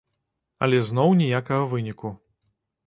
Але зноў ніякага выніку.